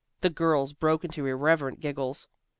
The girls broke into irreverent giggles.